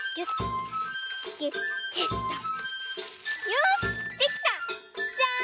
よしできた！じゃん！